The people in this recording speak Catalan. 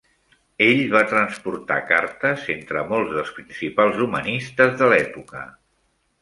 Ell va transportar cartes entre molts dels principals humanistes de l'època.